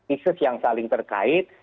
isis yang saling terkait